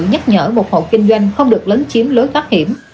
nhắc nhở một hộ kinh doanh không được lấn chiếm lối thoát hiểm